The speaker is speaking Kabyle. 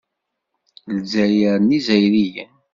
Lezzayer n Yizzayriyen.